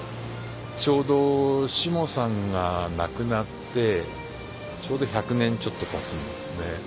ちょうどしもさんが亡くなってちょうど１００年ちょっとたつんですね。